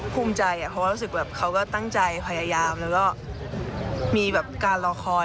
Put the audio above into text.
ภูมิใจเพราะว่ารู้สึกแบบเขาก็ตั้งใจพยายามแล้วก็มีการรอคอย